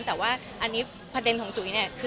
แต่ว่าอันนี้ประเด็นของจุ๋ยเนี่ย